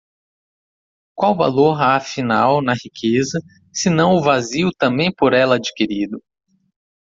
qual valor há afinal na riqueza, se não o vazio também por ela adquirido?